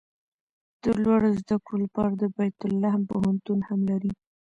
د لوړو زده کړو لپاره د بیت لحم پوهنتون هم لري.